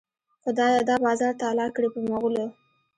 خدایه دا بازار تالا کړې په مغلو.